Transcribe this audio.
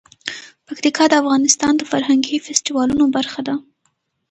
پکتیکا د افغانستان د فرهنګي فستیوالونو برخه ده.